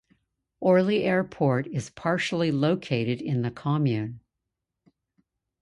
Orly Airport is partially located in the commune.